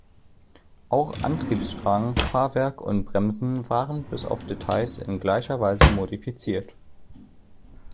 Auch Antriebsstrang, Fahrwerk und Bremsen waren bis auf Details in gleicher Weise modifiziert.